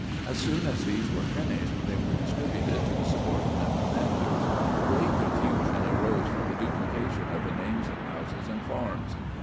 As soon as these were finished they were distributed to the subordinate commanders. Great confusion arose from the duplication of the names of houses and farms.